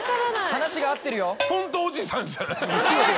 話が合ってるよ。